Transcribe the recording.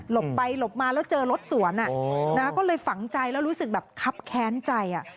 ไปหลบมาแล้วเจอรถสวนก็เลยฝังใจแล้วรู้สึกแบบคับแค้นใจ